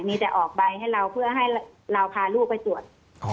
มีแต่ออกใบให้เราเพื่อให้เราพาลูกไปตรวจ